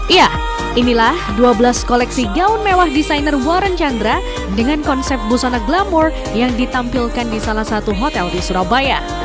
iya inilah dua belas koleksi gaun mewah desainer warren chandra dengan konsep busana glamour yang ditampilkan di salah satu hotel di surabaya